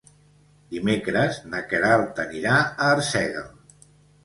Dimecres na Queralt anirà a Arsèguel.